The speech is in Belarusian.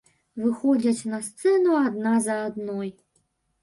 Выходзяць на сцэну адна за адной.